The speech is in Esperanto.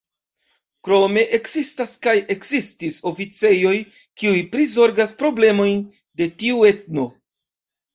Krome ekzistas kaj ekzistis oficejoj, kiuj prizorgas problemojn de tiu etno.